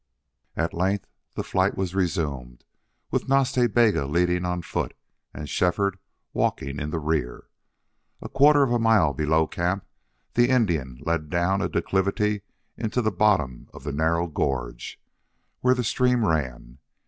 At length the flight was resumed, with Nas Ta Bega leading on foot, and Shefford walking in the rear. A quarter of a mile below camp the Indian led down a declivity into the bottom of the narrow gorge, where the stream ran.